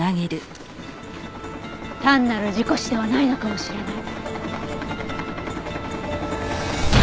単なる事故死ではないのかもしれない。